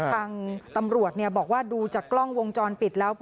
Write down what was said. ทางตำรวจบอกว่าดูจากกล้องวงจรปิดแล้ว